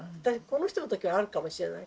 この人の時はあるかもしれないけど。